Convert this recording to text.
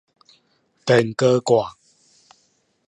電鍋蓋